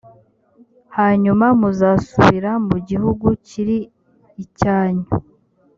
hanyuma muzasubira mu gihugu kiri icyanyu,